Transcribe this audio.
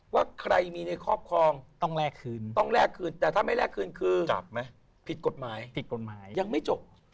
ว่าใครมีในครอบครองต้องแลกคืนต้องแลกคืนแต่ถ้าไม่แลกคืนคือจับไหมผิดกฎหมายผิดกฎหมายยังไม่จบ